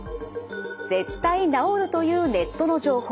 絶対治るというネットの情報。